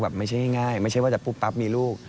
ไม่ใช่ง่ายไม่ใช่ว่าจะปุ๊บปั๊บมีลูก